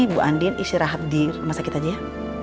ibu andin istirahat di rumah sakit aja ya